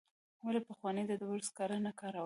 ولي پخوانو د ډبرو سکاره نه کارول؟